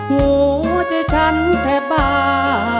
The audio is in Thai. หัวใจฉันแทบบ้า